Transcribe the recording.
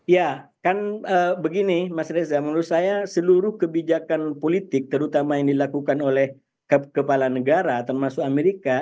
ya kan begini mas reza menurut saya seluruh kebijakan politik terutama yang dilakukan oleh kepala negara termasuk amerika